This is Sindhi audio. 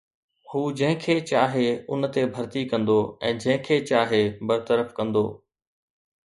هو جنهن کي چاهي ان تي ڀرتي ڪندو ۽ جنهن کي چاهي برطرف ڪندو